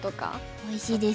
おいしいですよね。